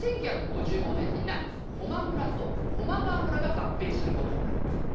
「で１９５５年にな高麗村と高麗川村が合併する事になった」